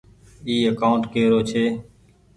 اي اڪآونٽ ڪي رو ڇي۔